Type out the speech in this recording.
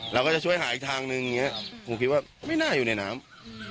เราก็จะช่วยหาอีกทางนึงอย่างนี้ผมคิดว่าไม่น่าอยู่ในน้ำ